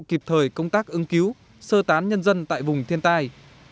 kịp thời công tác ứng cứu sơ tán nhân dân tại vùng thiên tai